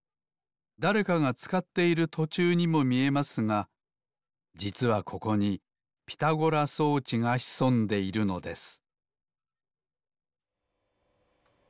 だれかがつかっているとちゅうにもみえますがじつはここにピタゴラ装置がひそんでいるのです